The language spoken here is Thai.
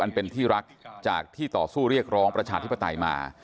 เป็นที่รักจากที่ต่อสู้เรียกร้องประชาธิปไตยมา